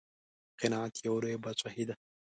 قناعت یوه لویه بادشاهي ده.